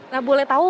nah boleh tahu